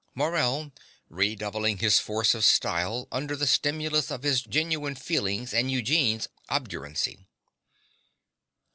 MORELL (redoubling his force of style under the stimulus of his genuine feeling and Eugene's obduracy).